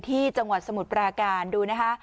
จังหวัดสมุทรปราการดูนะคะ